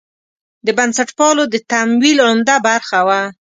د بنسټپالو د تمویل عمده برخه وه.